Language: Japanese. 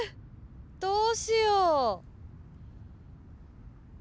どうしよう。